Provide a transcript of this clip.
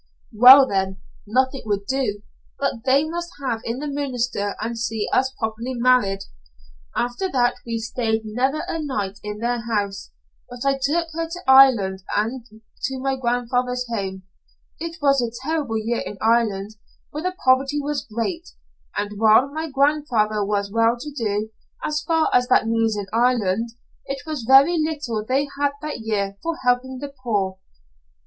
"Well, then, nothing would do, but they must have in the minister and see us properly married. After that we stayed never a night in their house, but I took her to Ireland to my grandfather's home. It was a terrible year in Ireland, for the poverty was great, and while my grandfather was well to do, as far as that means in Ireland, it was very little they had that year for helping the poor."